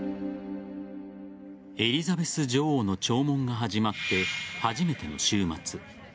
エリザベス女王の弔問が始まって初めての週末。